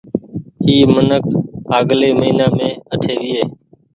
اي منک آگلي مهينآ مين اٺي ويئي۔